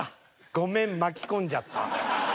「ごめん巻き込んじゃった」。